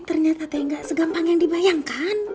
ternyata teh gak segampang yang dibayangkan